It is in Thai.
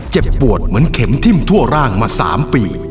เจ็บปวดเหมือนเข็มทิ้มทั่วร่างมา๓ปี